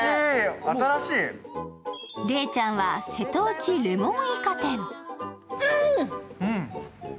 礼ちゃんは瀬戸内レモンイカ天。